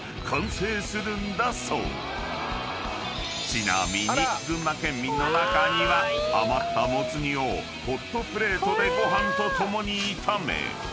［ちなみに群馬県民の中には余ったもつ煮をホットプレートでご飯と共に炒め］